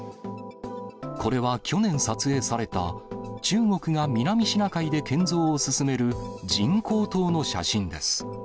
これは去年撮影された、中国が南シナ海で建造を進める人工島の写真です。